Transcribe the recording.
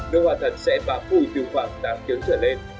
nước hoa thật sẽ bám phùi từ khoảng tám tiếng trở lên